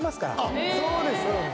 そうですか。